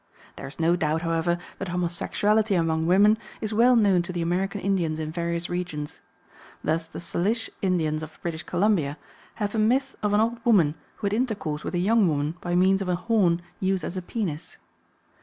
There is no doubt, however, that homosexuality among women is well known to the American Indians in various regions. Thus the Salish Indians of British Columbia have a myth of an old woman who had intercourse with a young woman by means of a horn used as a penis.